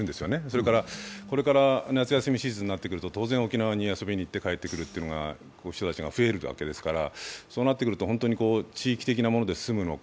それからこれから夏休みシーズンになると当然、沖縄に遊びに行って帰ってくる人たちが増えるわけですからそうなってくると本当に地域的なもので済むのか